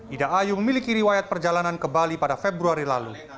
ida ayu memiliki riwayat perjalanan ke bali pada februari lalu